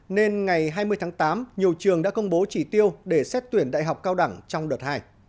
nên ngày hai mươi tháng tám nhiều trường đã công bố chỉ tiêu để xét tuyển đại học cao đẳng trong đợt hai